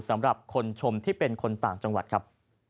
สำหรับคนชมที่เป็นคนต่างจังหวัดครับ